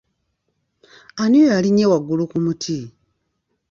Ani oyo alinnye waggulu ku muti?